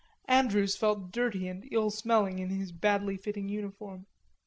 Andrews felt dirty and ill smelling in his badly fitting uniform.